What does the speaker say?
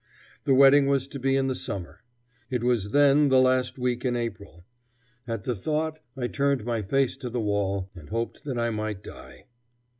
The wedding was to be in the summer. It was then the last week in April. At the thought I turned my face to the wall, and hoped that I might die.